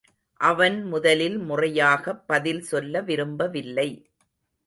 அவன் முதலில் முறையாகப் பதில் சொல்ல விரும்பவில்லை.